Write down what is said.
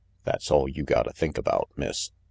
That's all you gotta think about, Miss."